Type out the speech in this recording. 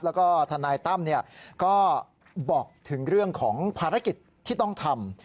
แล้วก็ทนายตั้มก็บอกถึงเรื่องของภารกิจที่ต้องทำ